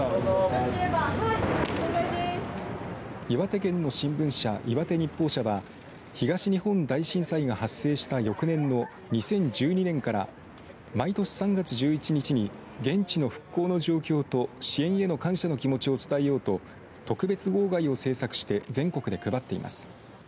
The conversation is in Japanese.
岩手県の新聞社、岩手日報社は東日本大震災が発生した翌年の２０１２年から毎年３月１１日に現地の復興の状況と、支援への感謝の気持ちを伝えようと特別号外を制作して全国で配っています。